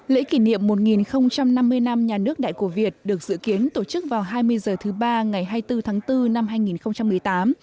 lễ kỷ niệm một năm mươi năm nhà nước đại cổ việt được dự kiến tổ chức vào hai mươi h thứ ba ngày hai mươi bốn tháng bốn năm hai nghìn một mươi tám